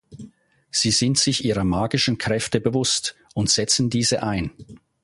Sie sind sich ihrer magischen Kräfte bewusst und setzen diese ein.